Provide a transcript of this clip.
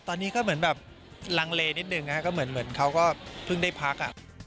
ตอนนี้ก็เหมือนแบบลังเลนิดนึงก็เหมือนเขาก็เพิ่งได้พัก